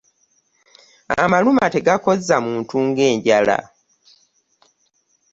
Amaluma tegakozza muntu ng'enjala .